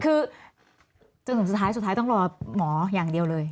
คือจนสุดท้ายต้องรอหมอยังเดียวเลย